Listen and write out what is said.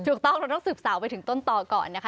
ถูกต้องเราต้องสืบสาวไปถึงต้นต่อก่อนนะคะ